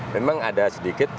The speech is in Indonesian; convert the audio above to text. memang ada sedikit